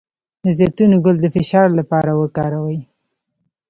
د زیتون ګل د فشار لپاره وکاروئ